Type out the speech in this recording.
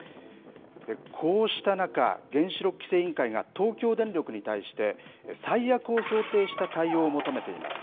こうした中、原子力規制委員会が東京電力に対して、最悪を想定した対応を求めています。